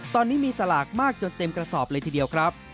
ตอนนี้มีสลากมากจนเต็มกระสอบเลยทีเดียวครับ